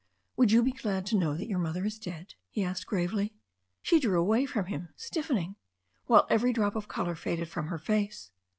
''Would you be glad to know that your mother is dead?" he asked gravely. She drew away from him, stiffening, while every drop of colour faded from her face.